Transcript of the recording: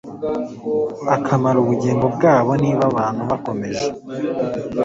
akamaro ubugingo bwabo Niba abantu bakomeje